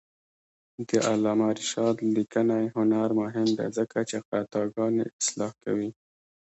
د علامه رشاد لیکنی هنر مهم دی ځکه چې خطاګانې اصلاح کوي.